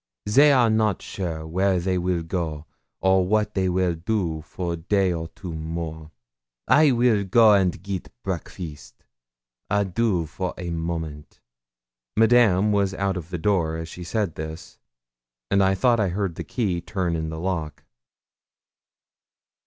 'They are not sure where they will go or what will do for day or two more. I will go and get breakfast. Adieu for a moment.' Madame was out of the door as she said this, and I thought I heard the key turn in the lock.